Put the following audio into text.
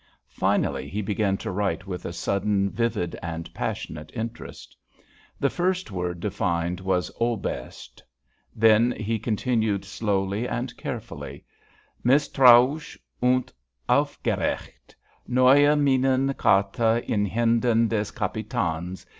Finally, he began to write with a sudden vivid and passionate interest. The first word defined was "Oberst." Then he continued slowly and carefully: "_Mistrauish und aufgeregt. Neue Minen karte in Händen des Capitans.